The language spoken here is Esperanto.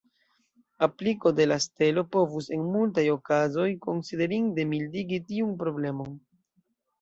Apliko de la stelo povus en multaj okazoj konsiderinde mildigi tiun problemon.